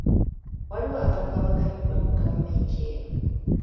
Waliwo abantu abaganyuddwa mu gavumenti eno.